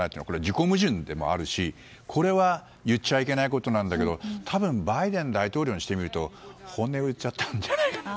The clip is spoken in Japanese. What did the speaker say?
これは自己矛盾でもあるし言っちゃいけないことなんだけど多分バイデン大統領にしてみると本音を言ったのではと。